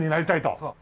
そう。